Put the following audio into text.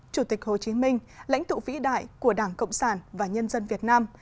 chủ tịch hồ chí minh lãnh tụ vĩ đại của đảng cộng sản và nhân dân việt nam